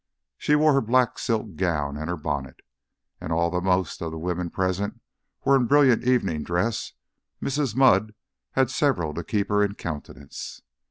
She wore her black silk gown and her bonnet, and although most of the women present were in brilliant evening dress, Mrs. Mudd had several to keep her in countenance.